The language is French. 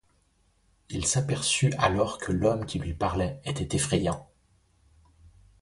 Il s'aperçut alors que l'homme qui lui parlait était effrayant.